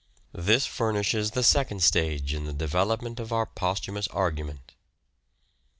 This furnishes the second stage in the develop ment of our posthumous argument.